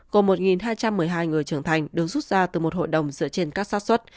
gồm một hai trăm một mươi hai người trưởng thành được rút ra từ một hội đồng dựa trên các sát xuất